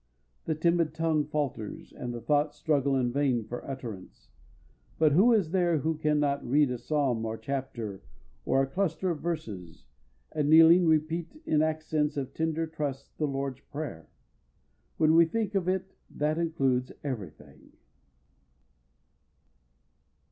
The timid tongue falters, and the thoughts struggle in vain for utterance. But who is there who can not read a psalm or a chapter or a cluster of verses, and kneeling repeat in accents of tender trust the Lord's prayer? When we think of it that includes every thing.